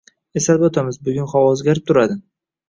Eslatib oʻtamiz, bugun havo oʻzgarib turadi.